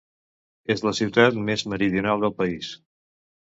És la ciutat més meridional del país.